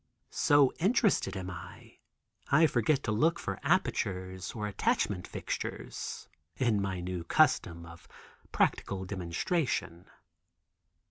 So interested am I, I forget to look for appurtenances or attachment fixtures, in my new custom of practical demonstration.